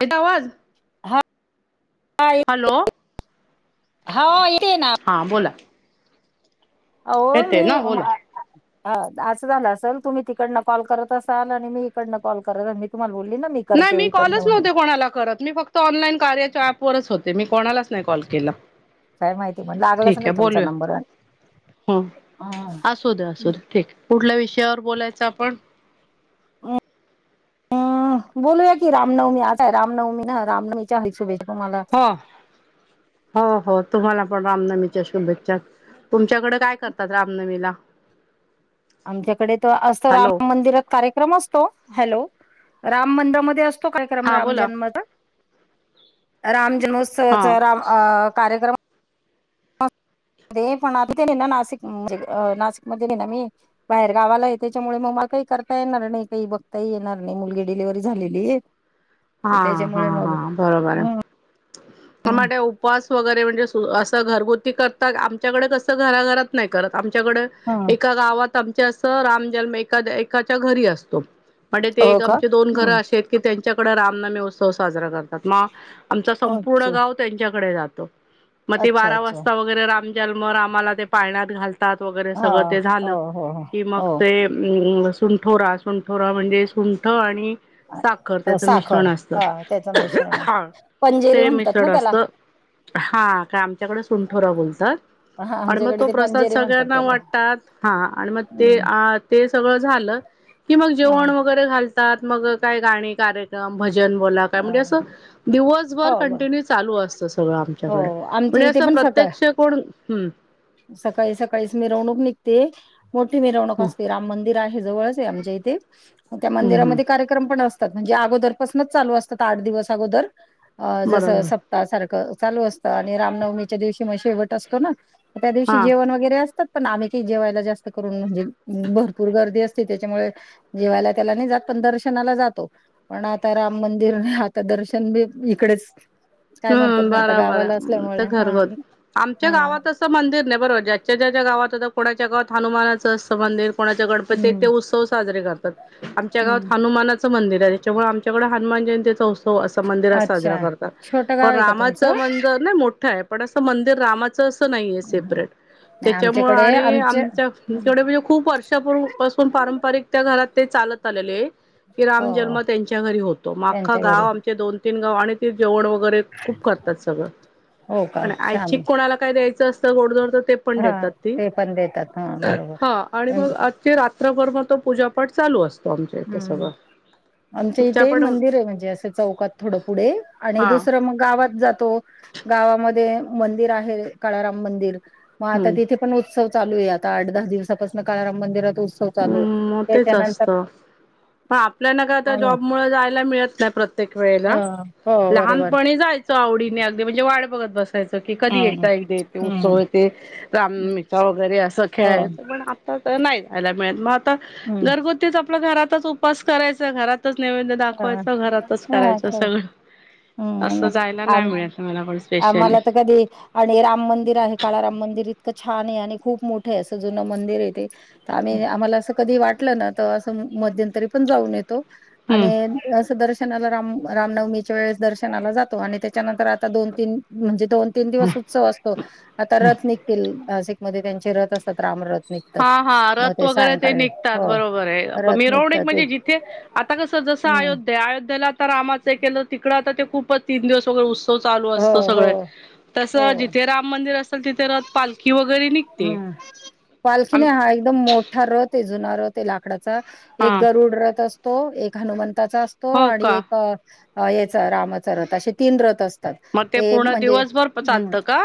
येतो आवाज हा हॅलो येतोय, हा येते ना. हां बोला. अहो येते मी ना बोला ह असं झालं असेल तुम्ही तिकडनं कॉल करत असाल आणि मी इकडनं कॉल करत अस मी तुम्हाला बोलली ना मी. नाही करते मी इकडनं कॉलच म्हणून नव्हते कोणाला करत. मी फक्त ऑनलाईन कार्याच्या ऍपवरच होते मी कोणालाच नाही कॉल केला. काय माहिती पण लागलाच ठीक आहे नाही तुमचा बोलूया नंबर. आणि हो असू दे असू दे ठीक कुठल्या विषयावर बोलायचं आपण? हम हम् बोलूयाकी रामनवमी आताय रामनवमी ना रामनवमीच्या हार्दिक शुभेच्छा. तुम्हाला हो. हो हो तुम्हाला पण रामनवमीच्या शुभेच्छा तुमच्याकडे काय करतात रामनवमीला? आमच्याकडे तर असत हॅलो राम मंदिरात कार्यक्रम असतो, हॅलो! राम मंदिरामध्ये असतो. कार्यक्रम हा राम बोला जन्मचा राम हा जन्मोत्सवाचा राम कार्यक्रम. रे पण आता ते ना नाशिक म्हणजे नाशिक मध्ये आहे ना मी. बाहेर गावाला आहे त्याच्यामुळे मग मला काही करता येणार नाही काही बघता येणार नाही मुलगी डिलिवरी झालेली आहे. हा त्याच्यामुळे हा मग. मग त्या उपवास वगैरे म्हणजे असं घरगुती करतात आमच्याकडे कसं घराघरात नाही करत आमच्याकडे. हम् एका गावात आमच्या असं राम जन्म एका एकाच्या घरी असतो. म्हणजे ते हो एक का आमचे दोन घरं हम्म असे आहेत की त्यांच्याकडे रामनवमी उत्सव साजरा करतात मग. आमचा संपूर्ण अच्छा गाव त्यांच्याकडे जातो मग ते अच्छा बारा अच्छा वाजता वगैरे राम. जन्म रामाला ते पाळण्यात घालतात वगैरे हा सगळं ते हो झालं हो कि मग हो ते. सुंठोरा सुंठोरा म्हणजे सुंठ आणि साखर. हो त्याच मिश्रण साखर असत हा त्याचं मिश्रण हा असत पंजेरी ते म्हणतात मिश्रण ना त्याला असत. हा काय आमच्याकडे सुंठोरा बोलतात. हा आणि मग आमच्याकडे तो ते प्रसाद पंजेरी म्हणतात सगळ्यांना त्याला वाटतात, हा आणि मग ते हम्म ते सगळं झालं. कि मग हा जेवण वगैरे घालतात मग काय गाणी कार्यक्रम भजन बोला काय हा म्हणजे असं. दिवसभर हो बर कंटिन्यू चालू असतं सगळं हो आमच्याकडे. आमच्या म्हणजे इथे असं पण सकाळ प्रत्यक्ष कोण, हम्म, सकाळी सकाळीच मिरवणूक निघते मोठी मिरवणूक हम्म असते, राम मंदिर आहे जवळच. ते आमच्या इथे, म त्या हम्म मंदिरामध्ये कार्यक्रम पण असतात. म्हणजे, अगोदर पासनच चालू असतात. आठ दिवस अगोदर अ जस बरोबर सप ता सारखं चालू असतं. आणि रामनवमीच्या दिवशी म शेवट असतो ना, म त्या दिवशी हा जेवण वगैरे अस त पण आम्ही काय जेवायला जास्त करून म्हणजे, भरपूर गर्दी असते. त्याच्यामुळे जेवायला त्याला नाय जात. पण दर्शनाला जातो. पण आता रा मंदिर आता दर्शन बी इकडेच काय म्हणतात, हम्म ना आता बराबर गावाला आहे असल्यामुळे हा हा तो मंदिर नाय, बरोबरं, ज्याच्या ज्याच्या गावात, आता कोणाच्या गावात हनुमानाचं असत मंदिर कोणाचा गणपती येत ते हम्म उत्सव साजरे करतात. आमच्या हम्म गावात हनुमानाच मंदिर ये. त्याच्यामुळे आमच्याकडे हनुमान जयंतीचा उत्सव असं मंदिरात साजरा अच्छा. करतात. छोटं गाव पण आहे का तुमचं? रामाचं मजर नाय मोठं आय., पण असं मंदिर रामा चं अस नाहीये हं, हं. सेपरेट, नाही त्याच्या मूळे आमच्याकडे आणि आमच्या हं, आमच्याकडे म्हणजे खूप वर्षांपूर पासून पारंपरिक त्या घरात ते चालतं आलेले ये. की हो राम जन्म त्यांच्या घरी होतो. म आख्खा त्यांच्या घरी. गाव आमचे दोन तीन गाव आणि ते जेवण वगैरे खूप करतात सगळं, हो का? आणि छान. ऐच्छिक कोणाला काय द्यायचं अस त गोडधोड त ते पण हां. देतात ती, ते पण देतात. हां, बरोबर. हा आणि अं, मग आक ख्खी रात्रभर म तो पूजापाठ चालू अस तिथं हं. सगळ आमच्या इथे मंदिर ये. म्हणजे असं चौकात थोडं पुढे आणि हा दुसरं मग गावात जातो. गावामध्ये मंदिर आहे. काळाराम मंदिर, म आता हम्म तिथे पण उत्सव चालू ये. आता आठ दहा दिवसापासन काळाराम मंदिरात उत्स हम्म म तेच असतं. पण आपल्याना का आता आणि जॉब मुळ जायला मिळत नाय. प्रत्ये प्रत्येक वेळेला, हो, हो बरोबर. लहानपणी जायचो. आवडीने अगदी म्हणजे वाट बघत बस सायचो की, कधी हं, हं. एकदा एकदे येत हं, उत्सव येते हं. रामनवमीचा वगैरे असं हो. खेळायचं. पण आ आता काय नाय जायला मिळत. मग आता हं. घरगुतीच आपल्या घरातच उपास करायच. घरातच नैवेद हां. दाखवायच. घरातच हा करायच चल सगळं, हम्म असं नाही जायला नाय आम मिळत. मला पण स्पेशली आम्हाला त कधी आणि राम मंदिर आहे. काळा राम मंदिर इतकं छान ये. आणि खूप मोठंय, असं जुनं मंदिर ये ते त आम्ही आम्हाला असं कधी वाटलं ना, त असं मध्यंतरी पण जाऊन येतो. हम्म आणि असं दर्शनाला राम रामनवमीच्या वेळेस दर्शनाला जातो. आणि त्याच्यानंतर आता दोन तीन म्हणजे, दोन तीन दिवस उत्सव असतो. आता रथ निघतील. नाशिक मध्ये त्यांचे रथ अस हा हा, रथ वगैरे ते सायंकाळी निघतात. हो बरोबर ये. रथ निघतात मिरवणीक ते म्हणजे जिथे आता कसं जसं हम्म अयोध्या अयोध्येला आता रामाचं ये केलं. तिकडं आता ते खूपच तीन दिवस सगळं उत्सव चालू हो असत. हो सगळे, तस हो जिथे राम मंदिर अस ल. तिथे रथ पालखी वगैरे निघते. [unintelligible] पालखी आम नाय. हा एकदम मोठा रथ ये. जुना रथ ये लाकडाचा, हा एक गरुड रथ अस तो. एक हनुमंताचा असतो. हो आणि का एक याचा रामाचा रथ आशे तीन रथ अस तात. मग ते पूर्ण म्हणजे, दिवसभर हम्म चालतं का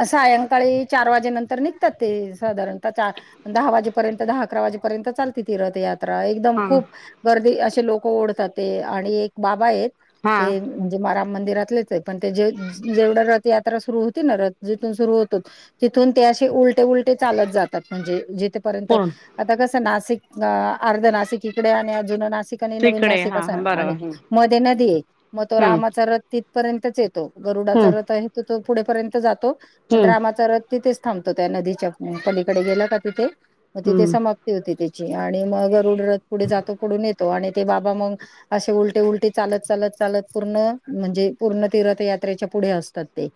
अ सायंकाळी चार वाजे नंतर निघतात ते, साधारणतः चार दहा वाजेपर्यंत, दहा अकरा वाजेपर्यंत चालते ती रथ यात त्रा, एकदम हा खूप गर्दी असे लोक ओढतात ते, आणि एक बाबा येत. हा ते म्हणजे राम मंदिरातलेच आहे. पण ते जे जेवढं रथ यात्रा सुरु होती ना रथ जिथून सुरु होतो. तिथून ते असे उलटे उलटे चालत जातात. म्हणजे जिथपर्यंत पूर्ण आता कसं नाशिक, अ अर्ध नाशिक इकडे ये आणि जुन नाशिक नवीन तिकडे नाशिक हा अस आणि बरोबर मध्ये नदी आहे मग तो हम्म रामाचा रथ तिथपर्यंतच येतो. हम्म गरुडाचा रथ आहे तो पुढेपर्यंत जातो पण हम्म हम्म रामाचा रथ तिथच थांबतो त्या नदीच्या पलीकडे गेलं का तिथे मग तिथे हम्म समाप्त ती होती त्याची मग गरुड रथ पुढे जातो पुढून येतो आणि ते बाबा मग असे उलटे उलटे चालत चालत चालत पूर्ण म्हणजे पूर्ण ते रथयात्रेच्या पुढे असतात ते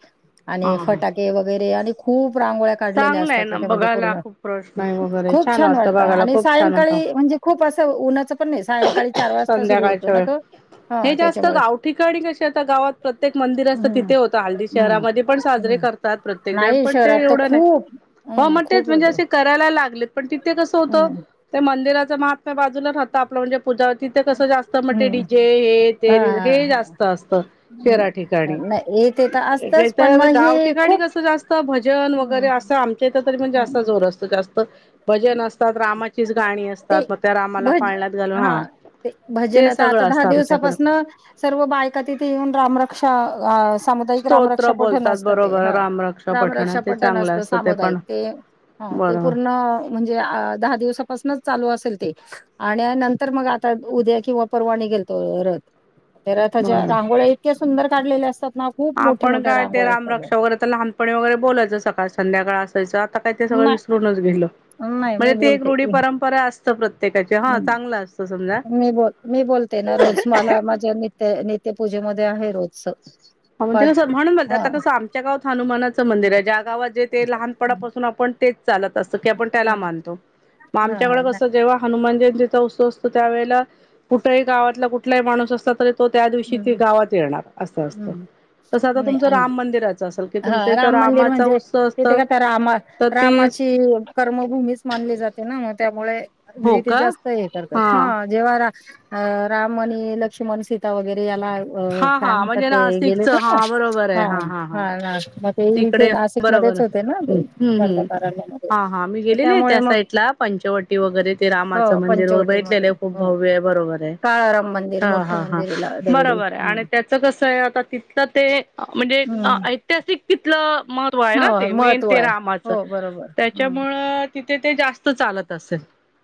आणि हा हा फटाके वगैरे आणि खू खूप रांगोळ्या काढलेल्या चांगलं असतात आहे ना त्याच्या म्हणजे बघायला पूर्ण खूप प्रश्न वगैरे खूप छान वाटतं बघायला आणि खूप छान वाटतं सायंकाळी म्हणजे खूप असं उन्हाचं पण नाही सायंकाळी चार वाजता सुरू होतो संध्याकाळच्या न वेळ तो हे हा जास्त त्याच्यामुळे गाव ठिकाणी कशे आता गावात प्रत्येक मंदिर असतं हम्म तिथे होतं हल्ली हम्म शहरामध्ये पण साजरे हम्म कर तात प्रत्येक जण नाही पण ते शहरात तर एवढं नाही खूप हो हम्म मंग खूप तेच म्हणजे होते असे करायला लागलेत पण तिथे कस होत हम्म त्या मंदिराचा बाजूला राहत आपलं म्हणजे पूजा तिथे कसं जास्त हम्म डीजे हे ते हा हा हे हा जास्त असत शहरा ठिकाणी हम्म. नाही येते तर असतच पण त्या मग गाव हे ठिकाणी खूप कसं जास्त भजन वगैरे हम्म असं आमच्या इथं तरी पण जास्त हम्म जोर असतो जास्त भजन असतात रामाचीच गाणी ते असतात मग त्या रामाला पाळण्यातत घालून हा ते भजन ते आहे आता सगळं दहा असतं आमच्याकडं दिवसापासन सर्व बायका तिथे येऊन रामरक्षा सामुदायिक राम स्तोत्र रक्षा पठण बोलतात असतं ते, बरोबर ह रामरक्षा राम पठण रक्षा ते पठन चांगलं असतं पण सामुदायिक ते ह ते बरोबर पूर्ण म्हणजे दहा दिवसापासूनच चालू असेल ते आणि नंतर मग आता उद्या किंवा परवा निघेल तो रथ ते रथाच्या बरोबर रांगोळ्या इतक्या सुंदर काढलेल्या असतात ना खूप मोठ्या आपण मोठ्या काय ते रांगोळ्या राम असतात रक्षा वगैरे तर लहानपणी वगैरे बोलायचं सकाळ संध्याकाळ आता का सगळ नाही विसरूनच गेल नाही मी म्हणजे ते एक रुढी बोलते परंपरा असते. प्रत्येकाचे, हा चांगलं असतं समजा मी बोल मी बोलते ना रोज मला माझ्या नित्य नित्यपूजेमध्ये आहे रोजचच हा म्हणजे कसं म्हणून ब आता कसं आमच्या गावात हनुमानाचं मंदिर आहे ज्या गावात जे ते लहानपणापासून आपण तेच चालत असत की आपण त्याला मानतो मग हा आमच्याकड हा कस नाही जेव्हा हनुमान जयंतीचा उत्सव असतो त्यावेळेला कुठेही गावातला कुठलाही माणूस असता तरी तो त्या दिवशी ती गावात येणार असं असत. नाही, असेल की तुमच्या हा इथं राम मंदिर रामाचा म्हणजे उत्सव असत तिथे का त्या रामा तर तीस रामाची कर्मभूमीच मानली जाते ना मग त्यामुळे हो मग ते का जास्त हे करतात, हा जेव्हा रा राम आणि लक्ष्मण सीता वगैरे याला अ हा हा काय म्हणतात म्हणजे ते नाशिकचं हा बरोबर आहे हा हा हां राष्ट्रपत तिकडे बरोबर हम्म हम्म गर्भकारल्यामध्ये हा हा मी तर गेलेली आहे त्यामुळे त्या मग साईडला पंचवटी वगैरे ते रामाचं हो मंदिर वगैरे बघितलेले पंचवटीमध्ये आहे खूप हो भव्य आहे बरोबर आहे काळाराम मंदिर हा मोठं हा हा मंदिर आहे ला दगडी बरोबर आहे हं आणि त्याच कस आता तिथलं ते म्हणजे हं ऐतिहासिक तिथलं महत्त्व आहे ना हो ते मेन महत्त्व ते आहे रामाचं हो बरोबर हं त्याच्यामुळं तिथे ते जास्त चालत असेल.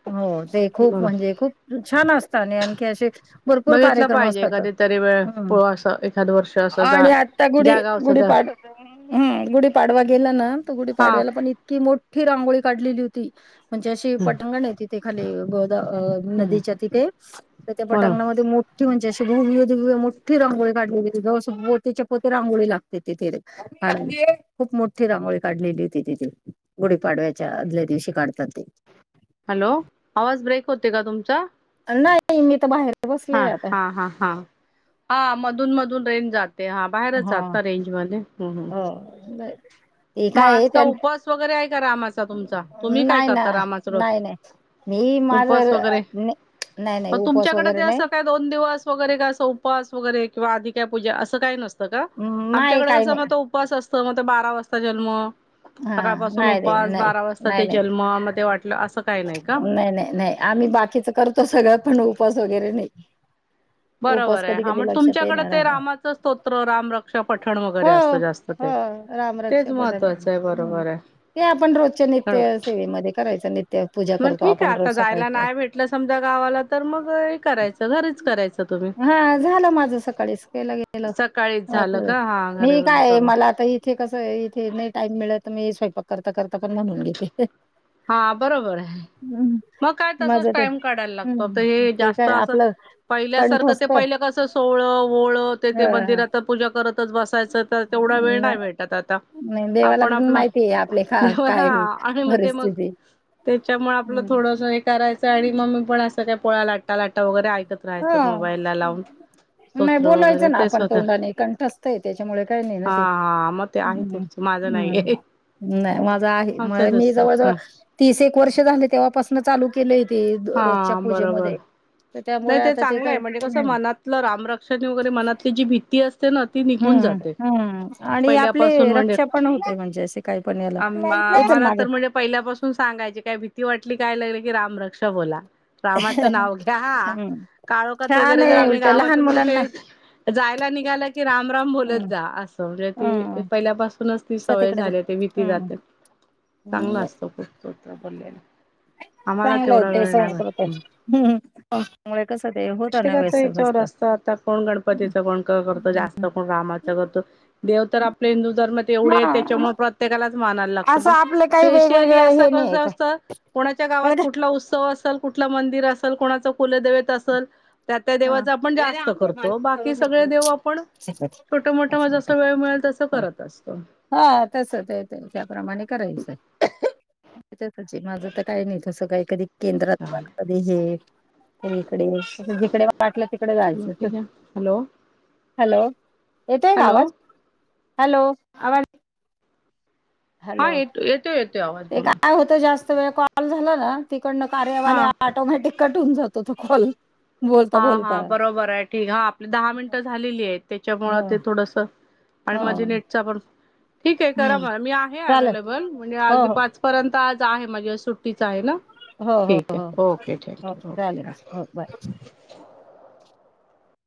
हो ते खूप बर म्हणजे खूप छान असत आणि आणखी असे भरपूर बघितलं कार्यक्रम पाहिजे असतात कधीतरी वेळ ह प असं एखाद वर्ष असं आणि जा आता गुढी ज्या गावचं त्या गुढीपाडवा हम गुढीपाडवा गेला ना तर हा गुढीपाडव्याला पण इतकी मोठी मोठी रांगोळी काढलेली होती म्हणजे अशी तथे खाली गोदा हम्म नदीच्या तिथे तर त्या बरोबर पटांगणामध्ये मोठी ती म्हणजे अशी भूविविध मोठी रांगोळी काढली गेली, जवा अस पोतीच्या पोती रांगोळी लागते तिथे. हा ना, खूप मोठी रांगोळी काढलेली होती तिथे. गुढीपाडव्याच्या आदल्या दिवशी काढतात ते. हॅलो, आवाज ब्रेक होतय का तुमचा? नाही, मी तर बाहेर. बसले हा आता. हा हा हा, हा मधून मधून रेंज जाते. ते हा, बाहेरच हा आहात ना रेंजमध्ये?, हम्म हम्म. हो, नाय मग आज का उपवास वगैरे आहे का रामाचा तुमचा, तुम्ही काय नाही ना करता रामाचा रोज? नाही नाही. मी माझ अ उपवास वगैरे नाय, नाही नाही मग उपवास तुमच्याकडे ते वगैरे असं नाही. काय दोन दिवस वगैरे काय असं उपवास वगैरे किंवा आधी काय पूजा असं काय नसत. त का, नाही आमच्याकडे काही कस नाही मग तो उपवास असतं म ते बारा वाजता जन्म. हा सकाळपासून नाही नाही उपवास नाही बारा वाजता नाही ते नाही जन्म, म ते वाटलं असं काही नाही का? नाही नाही, नाही आम्ही बाकीच करतो सगळ पण उपवास वगैरे नाही. उपवास बरोबर आहे, कधी हा कधी म लक्षातही तुमच्याकडे नाही ते राहता रामाचं स्तोत्र रामरक्षा पठण वगैरे असतं जास्त. ते हा, तेच रामरक्षा पठण, महत्त्वाचं आहे हम्म बरोबर ते आपण रोजच्या आहे नित्यसेवेत मध्ये करायच नित्य. पूजा मग करतो ठीक आहे, आपण रोज आता जायला सकाळी नाही भेटलं समजा गावाला तर मग हे करायचं. घरीच करायचं तुम्ही. हा झालं माझ सकाळीच केलं गेलं, सकाळीच झालं का [inaudible] हा मी घरी काय करून मला आता ही इथे कसं आहे, इथे नाही टाइम मिळत मी स्वयंपाक करता करता पण म्हणून घेते. हा बरोबर आहे. मग काय तसच माझं ते टाइम काढायला लागतो, आता हं. हे ते जास्त काय असं आपलं पहिल्यासारखं ते कंठस्थ पहिलं कसं सोहळं-ओवळ ते हां, ते मंदिरात पूजा करत- तच बसायचं तर तेवढा वेळ नाही भेटत आता नाही देवाला आपण पण आपलं माहिती आहे आपले का देवाला काय आणि मग ते मग. परिस्थिती. त्याच्यामुळे आपलं हं. थोडंस हे करायचं आणि मंग मी पण असं काय पोळ्या लाटता लाटता वगैरे ऐक कत राहायचं हां. मोबाईलला लावून नाही स्तोत्र वगैरे बोलायचं ना ते आपण स्वतः, तोंडाने कंठस्थ आहे त्याच्यामुळे काही नाही ना हा ते. हा मग ते आहे हं, तुमच. माझं हं. नाहीये. नाही माझ आहे, म आमचं मी दुसरं जवळ-जवळ ह तीस एक वर्ष झाले तेव्हापासन चालू केलय ते रोजच्या हा बरोबर पूजेमध्ये. तर त्यामुळे नाही ते आता चांगलं काय आहे, म्हणजे कसं हं, मनातलं रामरक्षाने वगैरे मनातली जी भीती अस ते ना ती निघून हं, जाते, हं आणि आपले पहिल्यापासून म्हणजे रक्षा पण होते म्हणजे असे काही पण याला. आम ये चल आम्हाला मागे. तर म्हणजे पहिल्यापासून सांगायचे काय भीती वाटली काय लागले की रामरक्षा बोला. रामाचं नाव घ्या हा, हम्म काळोखात छान वगैरे जर आहे आम्ही उलट लहान गावातून मुलांना कुठे जायला निघाल की, राम राम बोलत हम्म जा असं म्हणजे ती हम्म पहिल्यापासूनच ती स सवय तिकडे जा झालीय, ते भीती हम्म जाते चांगलं असतं, खूप स्तोत्र बोललेलं. चांगलंय ते संस्कृत आहे, भेटत हम्म हं त्यामुळे कस ते हो प्रत्येकाच याच्यावर असतं आता कोण गणपतीच कोण करतो जास्त. कोण रामाचा करतो, देव तर आपल्या हिंदू धर्मात एवढे हा आहेत त्याच्यामुळे प्रत प्रत्येकालाच मानायला लागतं असं पण आपलं काही स्पेशली वेगवेगळं असं हे नाही कस आहे काय असत, कोणाच्या गावात बळ का कुठला उत्सव असल कुठलं मंदिर असेल कोणाच कुलदैवत असल. त्या त्या देवाच आपण जास्त करतो. बाकी सगळे देव आपण छोट मोठं जस वेळ मिळेल तस करत असतो. हा तस तेे त्याप्रमाणे करायचं. त्याचीच माझ तर काही नाही. तसं काही कधी केंद्रात जा. कधी हे इकडे. जिकडे वाटलं. तिकडे जायचं. चालेल हॅलो हॅलो. येतोय ना हॅलो आवाज? हॅलो. आवाज हा. हॅलो ये येतोय. येतोय आवाज ते बोला. काय होतं जास्त वेळ कॉल झाला ना. तिकडनं कार्यावाले हा ऑटोमॅटिक कट होऊन जातो तो कॉल. बोलता हा हा बोलता बरोबर आहे. ठीक. हा आपली दहा मिनटं झालेली आहेत. त्याच्यामूळ हो ते थोडस आणि मध्ये हो नेटचा पण, ठीक आहे करा मग. मी आहे चालेल अवेलेबल म्हणजे हो अगदी हो पाच परंत आज आहे म्हणजे सुट्टीच आहे ना. हो हो ठीक हो आहे. ओके. हो थँक्यू. चालेल ओके हो बाय हा.